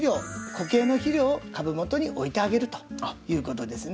固形の肥料を株元に置いてあげるということですね。